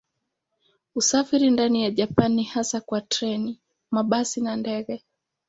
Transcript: Usafiri ndani ya Japani ni hasa kwa treni, mabasi na ndege.